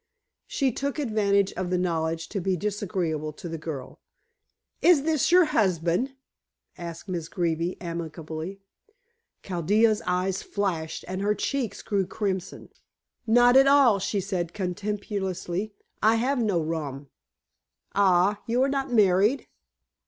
She took advantage of the knowledge to be disagreeable to the girl. "Is this your husband?" asked Miss Greeby amiably. Chaldea's eyes flashed and her cheeks grew crimson. "Not at all," she said contemptuously. "I have no rom." "Ah, your are not married?"